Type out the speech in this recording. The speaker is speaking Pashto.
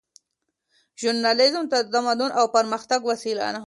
ژورنالیزم د تمدن او پرمختګ وسیله ده.